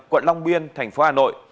quận long biên tp hà nội